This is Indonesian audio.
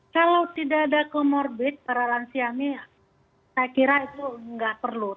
kalau tidak ada comorbid para lansia ini saya kira itu nggak perlu